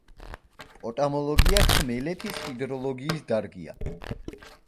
პოტამოლოგია ხმელეთის ჰიდროლოგიის დარგია.